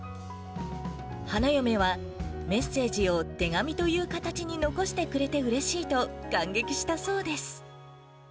花嫁は、メッセージを手紙という形に残してくれてうれしいと、感激したそうです。